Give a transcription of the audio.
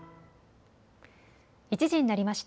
１時になりました。